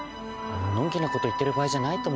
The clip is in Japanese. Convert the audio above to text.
のんきなこと言ってる場合じゃないと思います。